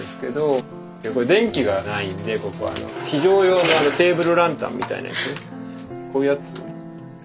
電気がないんでここは非常用のテーブルランタンみたいなやつこういうやつ